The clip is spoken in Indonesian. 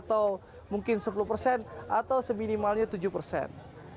atau mungkin sepuluh persen atau seminimalnya tujuh persen